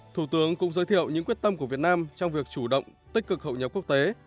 thủ tướng cũng giới thiệu những quyết tâm của việt nam trong việc chủ động tích cực hậu nhập quốc tế